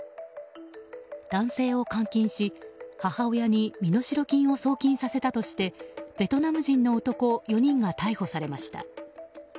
男性を監禁し母親に身代金を送金させたとしてベトナム人の男４人が逮捕されました。